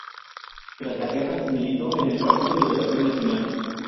Tras la guerra militó en el Partido Liberación Nacional.